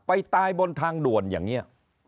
ไปตายบนทางด่วนอย่างนี้